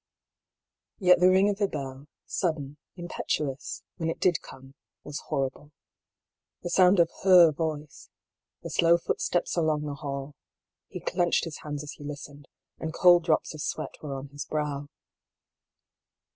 Yet the ring^of the bell, sudden, impetuous, when it did come, was horrible. The sound of her voice, the 270 I>R. PAULL'S THEORY. slow footsteps along the hall — ^he clenched his hands as he listened, and cold drops of sweat were on his brow.